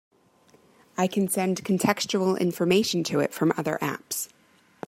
I can send contextual information to it from other apps.